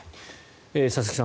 佐々木さん